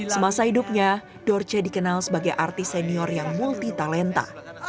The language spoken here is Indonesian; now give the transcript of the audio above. semasa hidupnya dorce dikenal sebagai artis senior yang multi talenta